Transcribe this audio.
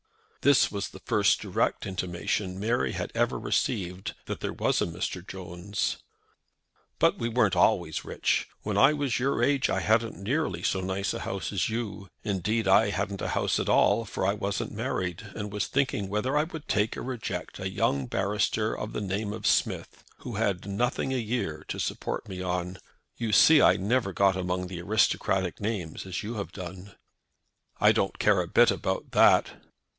This was the first direct intimation Mary had ever received that there was a Mr. Jones. "But we weren't always rich. When I was your age I hadn't nearly so nice a house as you. Indeed, I hadn't a house at all, for I wasn't married, and was thinking whether I would take or reject a young barrister of the name of Smith, who had nothing a year to support me on. You see I never got among the aristocratic names, as you have done." "I don't care a bit about that."